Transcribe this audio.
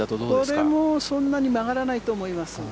これもそんなに曲がらないと思います。